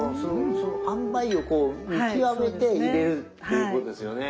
そのあんばいを見極めて入れるっていうことですよね。